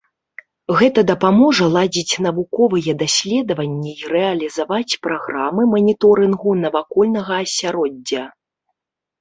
Гэта дапаможа ладзіць навуковыя даследаванні і рэалізаваць праграмы маніторынгу навакольнага асяроддзя.